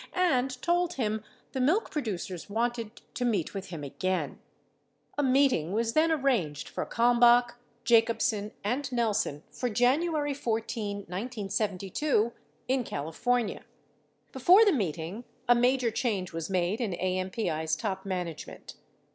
709 and told him the milk producers wanted to meet with him again. 34 A meeting was then arranged for Kalmbach, Jacobsen and Nelson for January 14, 1972, in California. Before the meeting, a major change was made in AMPI's top man agement.